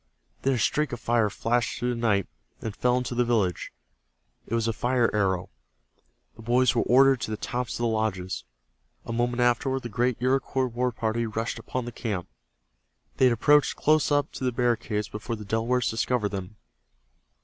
Then a streak of fire flashed through the night, and fell into the village. It was a fire arrow. The boys were ordered to the tops of the lodges. A moment afterward the great Iroquois war party rushed upon the camp. They had approached close up to the barricades before the Delawares discovered them.